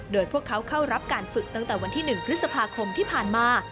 โดยพวกเขาเข้ารับการฝึกตั้งแต่วันที่๑พฤษภาคมที่ผ่านมา